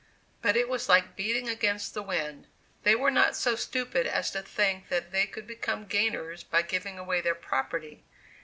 But it was like beating against the wind. They were not so stupid as to think that they could become gainers by giving away their property.